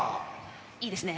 いいですね。